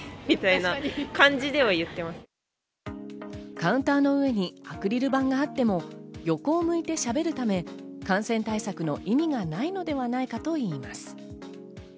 カウンターの上にアクリル板があっても横を向いてしゃべるため、感染対策の意味がないのではないかといいます。